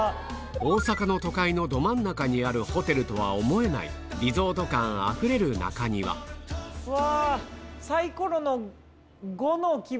大阪の都会のど真ん中にあるホテルとは思えないリゾート感あふれる中庭うわ！